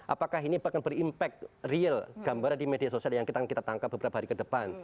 apakah ini akan berimpact real gambaran di media sosial yang kita tangkap beberapa hari ke depan